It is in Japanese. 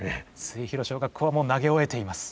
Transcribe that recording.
末広小学校はもう投げ終えています。